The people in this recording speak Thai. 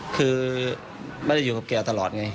คือไม่ได้อยู่กับแกตลอดไง